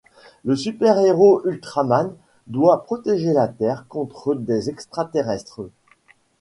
Le super héros Ultraman doit protéger la Terre contre des extraterrestres.